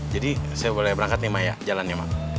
jadi saya boleh berangkat nih ma ya jalan ya ma